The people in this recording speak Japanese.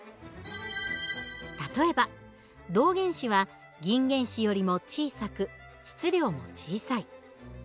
例えば銅原子は銀原子よりも小さく質量も小さい。